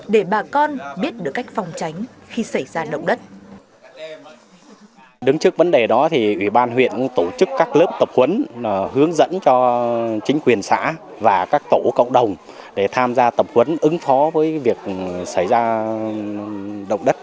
để bà con biết được cách phòng tránh khi xảy ra động đất